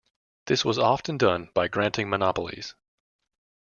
This was often done by granting monopolies.